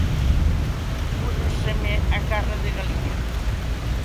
Púxoseme a carne de galiña.